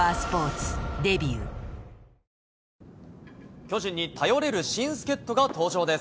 巨人に頼れる新助っとが登場です。